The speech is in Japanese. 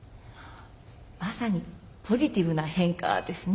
まさに「ポジティブな変化」ですね。